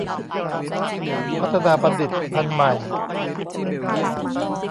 พัฒนาบัณฑิตพันธุ์ใหม่